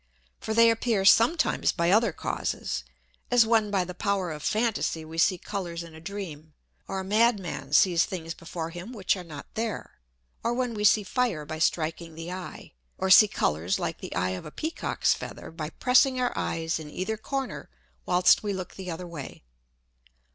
For they appear sometimes by other Causes, as when by the power of Phantasy we see Colours in a Dream, or a Mad man sees things before him which are not there; or when we see Fire by striking the Eye, or see Colours like the Eye of a Peacock's Feather, by pressing our Eyes in either corner whilst we look the other way.